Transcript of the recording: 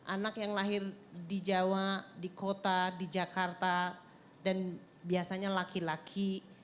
anak yang lahir di jawa di kota di jakarta dan biasanya laki laki